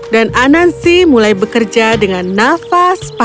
dan anansi mulai bekerja dengan nafas panas